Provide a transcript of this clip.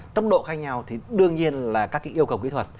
tốc độ khác nhau thì đương nhiên là các cái yêu cầu kỹ thuật